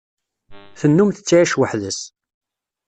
Tennum tettɛic weḥd-s.